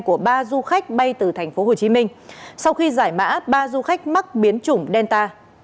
của ba du khách bay từ tp hcm sau khi giải mã ba du khách mắc biến chủng delta